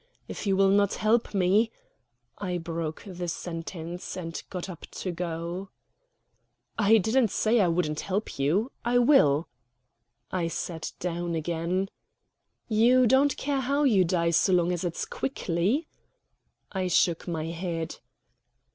"If you will not help me " I broke the sentence and got up to go. "I didn't say I wouldn't help you I will." I sat down again. "You don't care how you die, so long as it's quickly?" I shook my head.